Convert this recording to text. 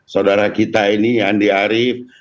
saudara kita ini andi arief